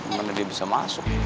mana dia bisa masuk